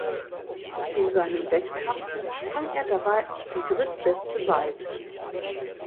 In seinem Wettkampf sprang er dabei die drittbeste Weite.